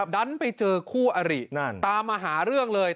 ดันไปเจอคู่อรินั่นตามมาหาเรื่องเลย